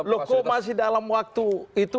loko masih dalam waktu itu